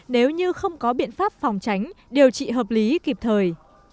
nếu như không có biện pháp phòng tránh điều trị hợp lý kịp thời